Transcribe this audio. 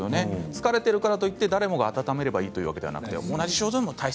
疲れているからといって誰も温めればいいということではないんです。